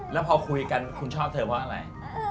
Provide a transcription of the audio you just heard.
แล้วพอคุยกันคุณชอบเธอเพราะอะไร